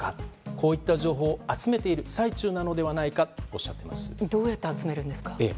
こういった情報を集めている最中なのではないかとどうやって集めるんですか？